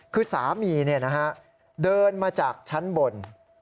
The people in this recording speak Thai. คือสามีเดินมาจากชั้นบน